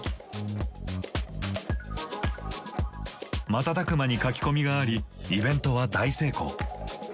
瞬く間に書き込みがありイベントは大成功。